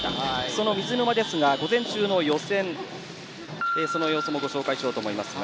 その水沼ですが午前中の予選の様子もご紹介します。